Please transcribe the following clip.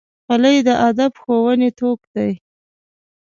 خولۍ د ادب ښوونې توک دی.